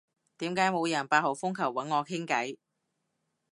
點解冇人八號風球搵我傾偈？